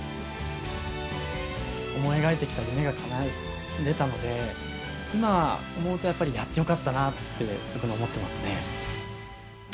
思い描いてきた夢がかなえられたので今思うとやっぱりやってよかったなって思ってますね。